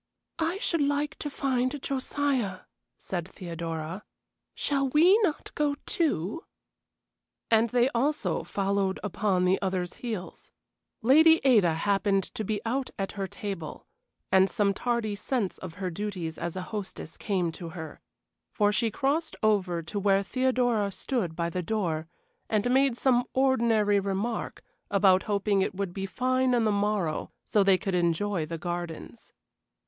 "I should like to find Josiah," said Theodora. "Shall we not go, too?" And they also followed upon the others' heels. Lady Ada happened to be out at her table, and some tardy sense of her duties as a hostess came to her, for she crossed over to where Theodora stood by the door and made some ordinary remark about hoping it would be fine on the morrow so they could enjoy the gardens.